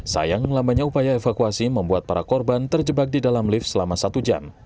sayang lambatnya upaya evakuasi membuat para korban terjebak di dalam lift selama satu jam